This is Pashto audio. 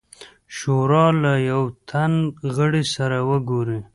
شورا له یوه تن غړي سره وګوري.